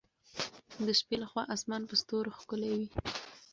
د شپې له خوا اسمان په ستورو ښکلی وي.